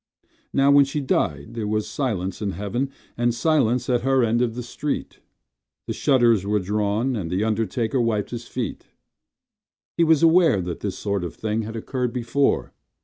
Now when she died there was silence in heaven And silence at her end of the street. The shutters were drawn and the undertaker wiped his feet— He was aware that this sort of thing had occurred before.